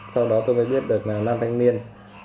sau đó tôi mới biết đợt nào năm thanh niên